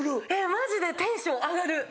マジでテンション上がる！